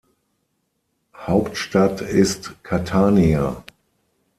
Hauptstadt ist Catania.